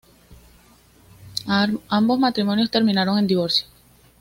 Ambos matrimonios terminaron en divorcio.